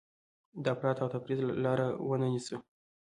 د افراط او تفریط لاره ونه نیسو.